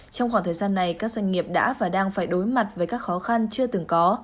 trong khoảng thời gian này các doanh nghiệp đã và đang phải đối mặt với các khó khăn chưa từng có